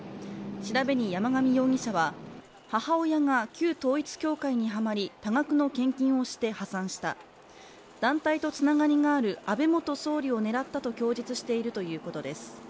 調べに山上容疑者は母親が旧統一教会にはまり多額の献金をして破産した、団体とつながりのある安倍元総理を狙ったと供述しているということです。